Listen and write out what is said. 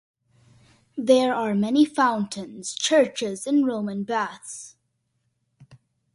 There are many fountains, churches, and Roman baths.